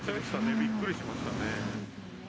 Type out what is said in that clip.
びっくりしましたね。